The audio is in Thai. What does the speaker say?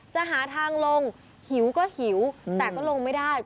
จะหาทางลงหิวก็หิวแต่ก็ลงไม่ได้